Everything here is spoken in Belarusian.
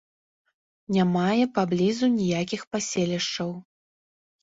Не мае паблізу ніякіх паселішчаў.